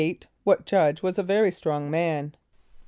= What judge was a very strong man?